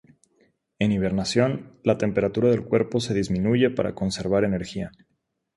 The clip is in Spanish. En hibernación, la temperatura del cuerpo se disminuye para conservar energía.